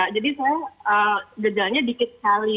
jadi saya gejalanya dikit kali